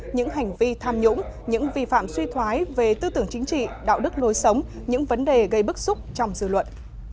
những hành vi tham nhũng những vi phạm suy thoái về tư tưởng chính trị đạo đức lối sống những vấn đề gây bức xúc trong dư luận